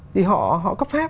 thì họ cấp phép